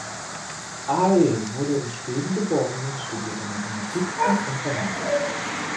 Aae wurde in Schweden geboren und studierte Mathematik und Informatik.